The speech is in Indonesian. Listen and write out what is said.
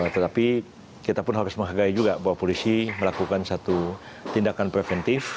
tetapi kita pun harus menghargai juga bahwa polisi melakukan satu tindakan preventif